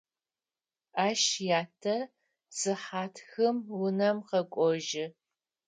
Ащ ятэ сыхьат хым унэм къэкӏожьы.